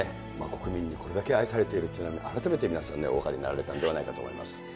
国民にこれだけ愛されているというのは、改めて皆さんね、お分かりになられたんじゃないかと思います。